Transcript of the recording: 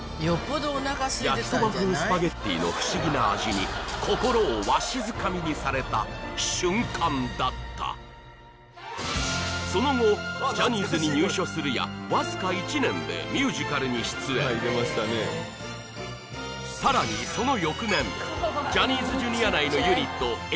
焼きそば風スパゲッティの不思議な味に心をわしづかみにされた瞬間だったその後ジャニーズに入所するやわずか１年でミュージカルに出演さらにその翌年ジャニーズＪｒ．内のユニットＡ